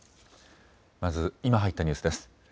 まず今入ったニュースです。